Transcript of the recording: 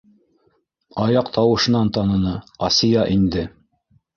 Аяҡ тауышынан таныны - Асия инде.